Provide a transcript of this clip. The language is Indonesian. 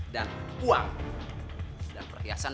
dan uang dan perhiasan